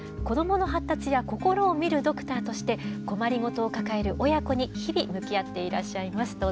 子どもの発達や心を診るドクターとして困りごとを抱える親子に日々向き合っていらっしゃいます。